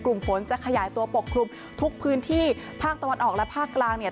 กลุ่มฝนจะขยายตัวปกคลุมทุกพื้นที่ภาคตะวันออกและภาคกลางเนี่ย